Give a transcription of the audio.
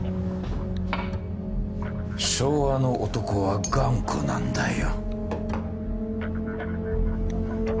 昭和の男は頑固なんだよ